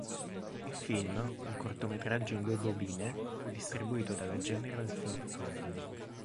Il film, un cortometraggio in due bobine, fu distribuito dalla General Film Company.